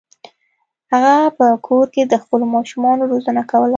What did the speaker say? هغه په کور کې د خپلو ماشومانو روزنه کوله.